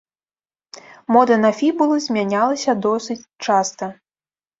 Мода на фібулы змянялася досыць часта.